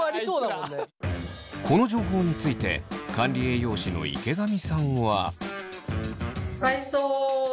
この情報について管理栄養士の池上さんは。